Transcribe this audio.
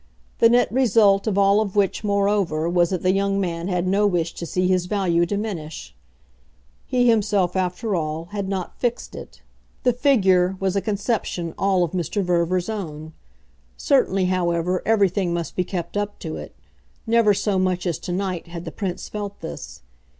The net result of all of which, moreover, was that the young man had no wish to see his value diminish. He himself, after all, had not fixed it the "figure" was a conception all of Mr. Verver's own. Certainly, however, everything must be kept up to it; never so much as to night had the Prince felt this.